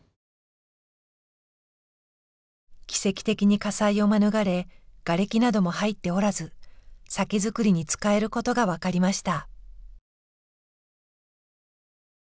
奇跡的に火災を免れがれきなども入っておらず酒造りに使えることが分かりました。